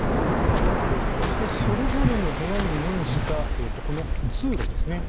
そして、それぞれの部屋に面したこの通路ですね。